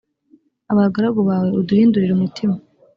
abagaragu bawe uduhindurire umutima